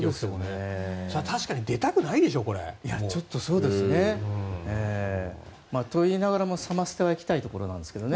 確かに出たくないでしょ。と言いながらもサマステは行きたいところなんですけどね。